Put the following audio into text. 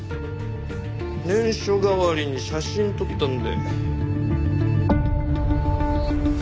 念書代わりに写真撮ったんで。